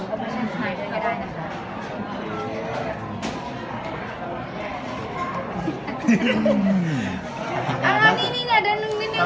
เอาแล้วนี่อย่าเดินลึกนิดนึงขอถือเลย